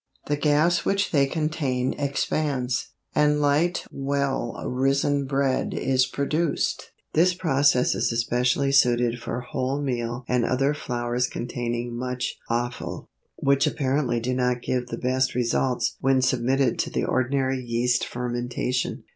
The gas which they contain expands, and light well risen bread is produced. This process is especially suited for wholemeal and other flours containing much offal, which apparently do not give the best results when submitted to the ordinary yeast fermentation.